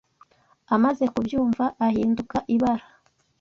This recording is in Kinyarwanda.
Amaze kubyumva, ahinduka ibara.